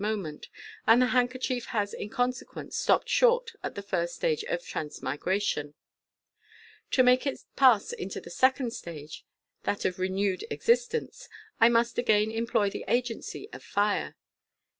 251 moment, and the handkerchief has in consequence stopped short at the first stage of transmigration. To make it pass into the second stage, that of renewed existence, I must again employ the agency of fire.